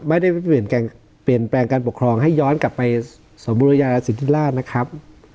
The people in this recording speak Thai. ไม่ได้เปลี่ยนแปลงการปกครองให้ย้อนกลับไปสมบูรณญาสินทิศลาธินะครับ